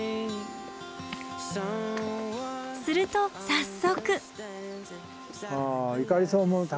すると早速。